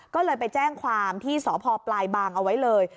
ก็เลยไปแจ้งความที่สพปลายบางเอาไว้เลย